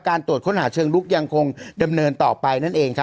ตรวจค้นหาเชิงลุกยังคงดำเนินต่อไปนั่นเอง